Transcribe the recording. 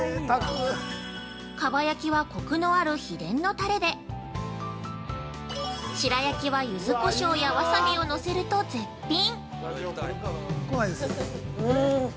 かば焼きはコクのある秘伝のタレで白焼きは、ゆずこしょうやワサビをのせると絶品！